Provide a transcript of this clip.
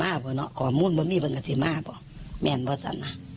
ไว้หนักแป้งดินก็เลยไปอีกแล้วนี่๖๔๒